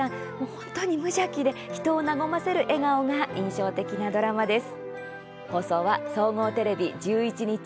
本当に無邪気で、人を和ませる笑顔が印象的なドラマです。